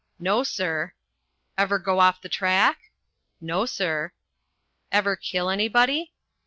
"No, sir." "Ever go off the track?" "No, sir." "Ever kill anybody?"